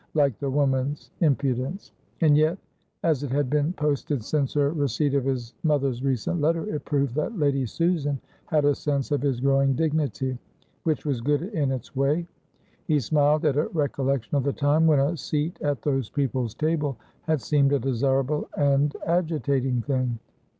Like the woman's impudence! And yet, as it had been posted since her receipt of his mother's recent letter, it proved that Lady Susan had a sense of his growing dignity, which was good in its way. He smiled at a recollection of the time when a seat at those people's table had seemed a desirable and agitating thing.